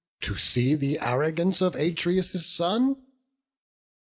To see the arrogance of Atreus' son?